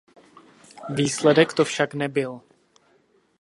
Výsledek to však nebyl.